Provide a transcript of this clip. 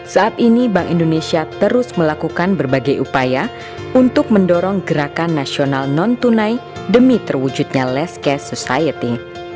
saat ini bank indonesia terus melakukan berbagai upaya untuk mendorong gerakan nasional non tunai demi terwujudnya less cash society